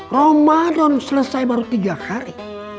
ramadan selesai baru tiga hari